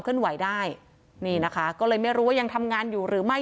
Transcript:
ไหวได้นี่นะคะก็เลยไม่รู้ว่ายังทำงานอยู่หรือไม่